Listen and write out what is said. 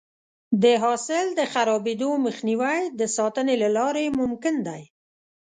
د حاصل د خرابېدو مخنیوی د ساتنې له لارې ممکن دی.